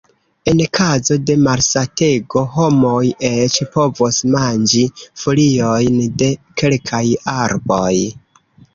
En kazo de malsatego, homoj eĉ povos manĝi foliojn de kelkaj arboj.